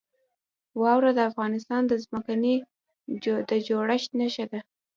واوره د افغانستان د ځمکې د جوړښت نښه ده.